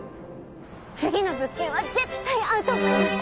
次の物件は絶対合うと思います。